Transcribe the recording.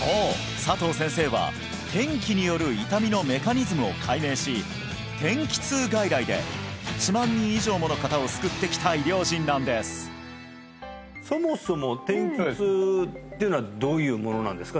佐藤先生は天気による痛みのメカニズムを解明し天気痛外来で１万人以上もの方を救ってきた医療人なんですどういうものなんですか？